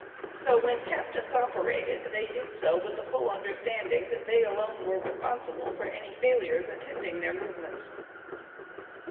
So when captains operated, they did so with the full understanding that they alone were responsible for any failures attending their movements.